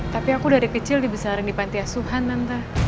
tapi aku dari kecil dibesarin di pantai asuhan tante